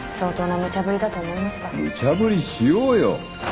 むちゃぶりしようよ。